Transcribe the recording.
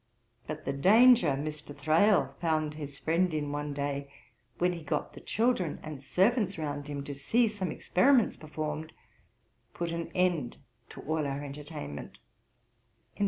But the danger Mr. Thrale found his friend in one day, when he got the children and servants round him to see some experiments performed, put an end to all our entertainment.'